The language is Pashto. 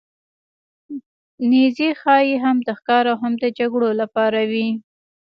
نیزې ښايي هم د ښکار او هم د جګړو لپاره وې.